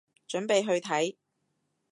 準備去睇